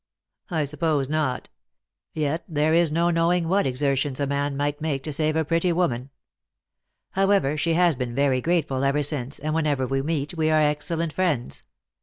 "I suppose not. Yet there is no knowing what exertions a man might make to save a pretty woman. However, she has been very grateful ever since, and whenever we meet we are excellent friends.